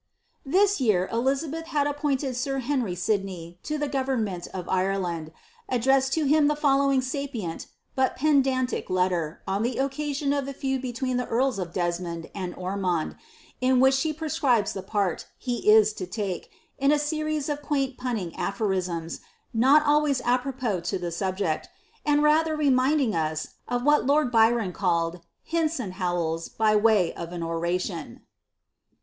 'his year Elizabeth having appointed sir Henry Sidney to the govern it of Ireland, addresf^ed to him the following sapient, but pedantic T, on the occasion of the fend between tlie earls of Desmond and iond« in which she prescribes the part, he is to take, in a series of int punning aphorisms, not always apropos to the subject; and er reminding us, of what lord Byron called ^^ hints and howls, by ' of an oration."